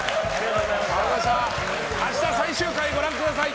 明日、最終回ご覧ください！